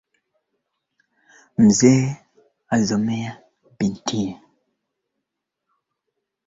Kuandika sana pia si mbaya